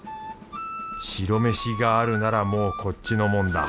白飯があるならもうこっちのもんだ